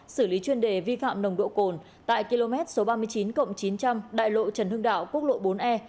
xử lý chuyên đề vi phạm nồng độ cồn tại km ba mươi chín chín trăm linh đại lộ trần hưng đảo quốc lộ bốn e